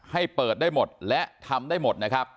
ให้เปิดได้หมดและทำได้หมด